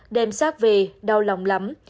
đem xác về đau lòng lắm